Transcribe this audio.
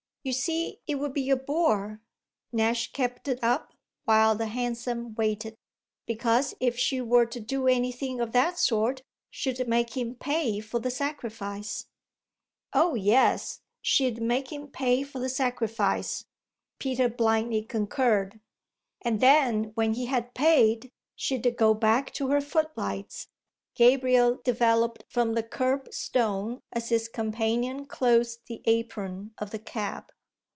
You see it would be a bore" Nash kept it up while the hansom waited "because if she were to do anything of that sort she'd make him pay for the sacrifice." "Oh yes, she'd make him pay for the sacrifice," Peter blindly concurred. "And then when he had paid she'd go back to her footlights," Gabriel developed from the curbstone as his companion closed the apron of the cab.